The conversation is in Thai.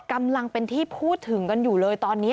กำลังเป็นที่พูดถึงกันอยู่เลยตอนนี้